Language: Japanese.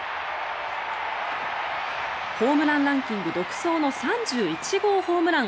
ホームランランキング独走の３１号ホームラン。